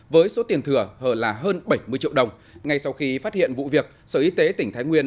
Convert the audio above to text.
với số tiền thừa hờ là hơn bảy mươi triệu đồng ngay sau khi phát hiện vụ việc sở y tế tỉnh thái nguyên